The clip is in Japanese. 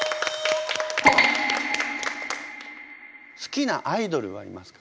好きなアイドルはいますか？